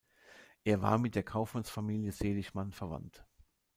Er war mit der Kaufmannsfamilie Seligmann verwandt.